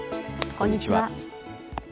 こんにちは。